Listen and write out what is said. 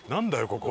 ここ。